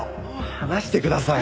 離してください。